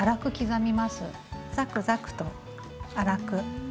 ザクザクと粗く。